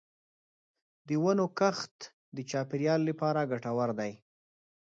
د ونو کښت د چاپېریال لپاره ګټور دی.